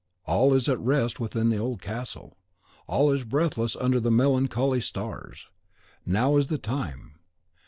All is at rest within the old castle, all is breathless under the melancholy stars. Now is the time.